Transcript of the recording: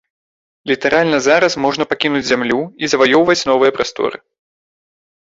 Літаральна зараз можна пакінуць зямлю і заваёўваць новыя прасторы.